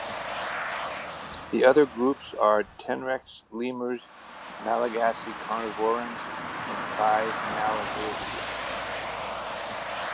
The other groups are tenrecs, lemurs, Malagasy carnivorans, and bibymalagasians.